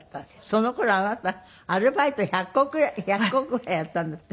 その頃あなたアルバイト１００個ぐらいやったんだって？